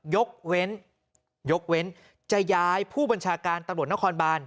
ยกเว้นจะย้ายผู้บัญชาการตลนครบาน